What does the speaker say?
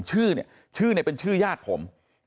ชื่อเนี่ยชื่อเป็นชื่อญาติผม